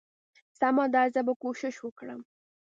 سمه ده زه به کوشش وکړم.